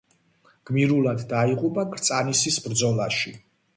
გმირულად დაიღუპა კრწანისის ბრძოლაში.